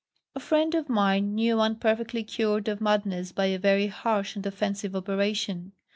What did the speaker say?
A friend of mine knew one perfectly cured of madness by a very harsh and offensive operation.